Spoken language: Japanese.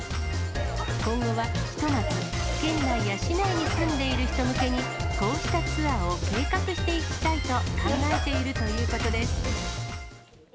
今後はひとまず、県内や市内に住んでいる人向けに、こうしたツアーを計画していきたいと考えているということです。